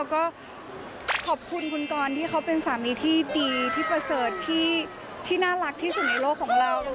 ก็ขอบคุณคุณกรที่เขาเป็นสามีที่ดีที่ประเสริฐที่น่ารักที่สุดในโลกของเรา